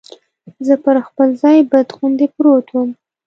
زه پر خپل ځای بت غوندې پروت ووم.